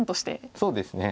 そうですね。